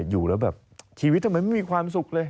อยู่แล้วแบบชีวิตทำไมไม่มีความสุขเลย